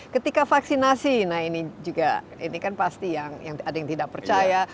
ketika vaksinasi nah ini juga ini kan pasti yang ada yang tidak percaya